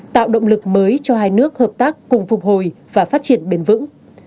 tạo động lực mới cho hai nước hợp tác cùng phục hồi và phát triển bền vững